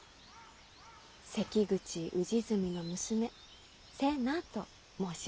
関口氏純の娘瀬名と申します。